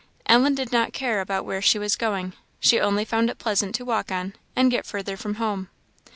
Ellen did not care about where she was going; she only found it pleasant to walk on, and get further from home.